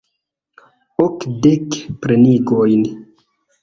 Okdek pfenigojn.